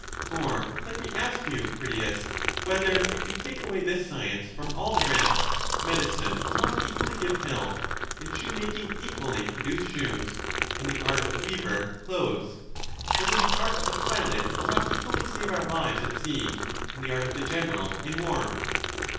For, let me ask you, Critias, whether, if you take away this science from all the rest, medicine will not equally give health, and shoemaking equally produce shoes, and the art of the weaver clothes? — whether the art of the pilot will not equally save our lives at sea, and the art of the general in war?